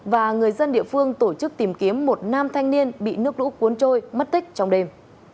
và người dân địa phương tổ chức tìm kiếm một nam thanh niên bị nước lũ cuốn trôi mất tích trong đêm